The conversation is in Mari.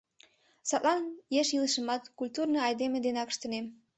Садлан еш илышымат культурный айдеме денак ыштынем.